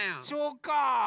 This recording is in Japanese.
そうか。